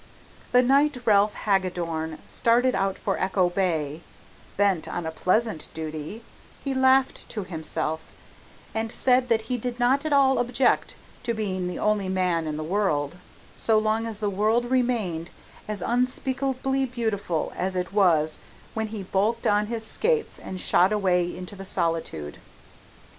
The night Ralph Hagadorn started out for Echo Bay bent on a pleasant duty he laughed to himself, and said that he did not at all object to being the only man in the world, so long as the world remained as unspeakably beautiful as it was when he buckled on his skates and shot away into the solitude.